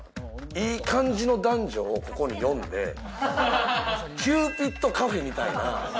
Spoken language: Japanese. いい感じの男女をここに呼んで、キューピッドカフェみたいな。